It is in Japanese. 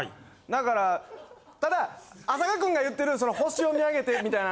だからただ浅香君が言ってるその星を見上げてみたい